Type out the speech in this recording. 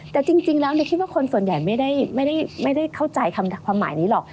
แต่จริงแล้วคิดว่าคนส่วนใหญ่ไม่ได้เข้าใจความหมายนี้หรอก